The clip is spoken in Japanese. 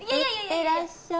いってらっしゃい。